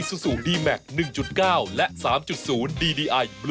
สวัสดีครับ